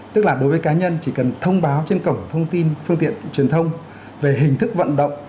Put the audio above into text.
tức là đối với cá nhân chỉ cần thông báo trên cổng thông tin phương tiện truyền thông về hình thức vận động